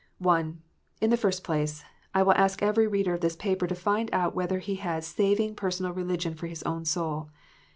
(1) In the first place, I will ask every reader of this paper to find out whether he has saving personal religion for his own soul.